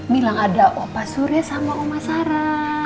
bilang ada opa surya sama oma sarah